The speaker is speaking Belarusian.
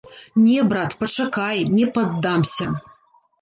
Не, брат, пачакай, не паддамся.